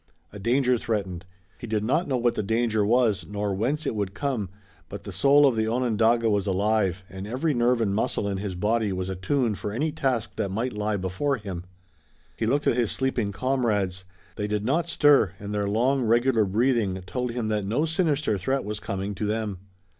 A danger threatened. He did not know what the danger was nor whence it would come, but the soul of the Onondaga was alive and every nerve and muscle in his body was attuned for any task that might lie before him. He looked at his sleeping comrades. They did not stir, and their long, regular breathing told him that no sinister threat was coming to them.